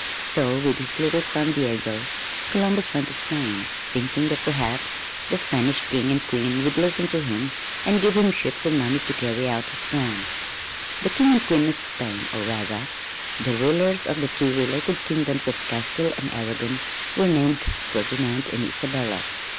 So, with his little son, Diego, Columbus went to Spain, thinking that perhaps the Spanish King and Queen would listen to him, and give him ships and money to carry out his plan. The King and Queen of Spain, or rather the rulers of the two related kingdoms of Castile and Aragon, were named Ferdinand and Isabella.